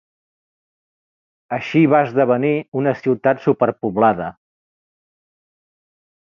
Així va esdevenir una ciutat superpoblada.